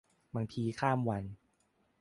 บางทีข้ามวัน